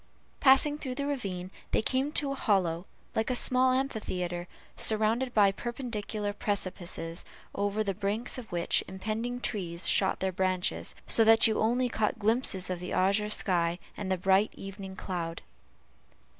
Passing through the ravine, they came to a hollow, like a small amphitheatre, surrounded by perpendicular precipices, over the brinks of which impending trees shot their branches, so that you only caught glimpses of the azure sky, and the bright evening cloud.